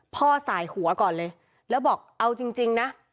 สายหัวก่อนเลยแล้วบอกเอาจริงนะ